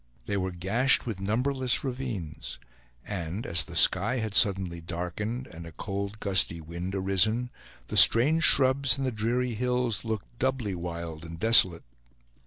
They were gashed with numberless ravines; and as the sky had suddenly darkened, and a cold gusty wind arisen, the strange shrubs and the dreary hills looked doubly wild and desolate.